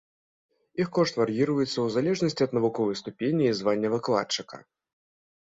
Іх кошт вар'іруецца ў залежнасці ад навуковай ступені і звання выкладчыка.